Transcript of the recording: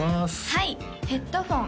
はいヘッドホン